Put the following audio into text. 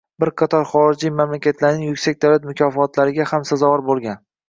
Bir qator xorijiy mamlakatlarning yuksak davlat mukofotlariga ham sazovor bo‘lgan.